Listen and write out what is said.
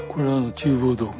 厨房道具？